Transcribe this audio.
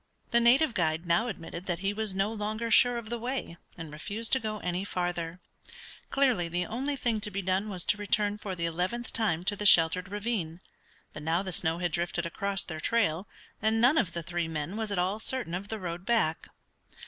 The native guide now admitted that he was no longer sure of the way, and refused to go any farther. Clearly the only thing to be done was to return for the eleventh time to the sheltered ravine. But now the snow had drifted across their trail, and none of the three men was at all certain of the road back.